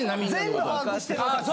全部把握してます。